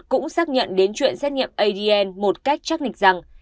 cũng xác nhận đến chuyện xét nghiệm adn một cách chắc nịch rằng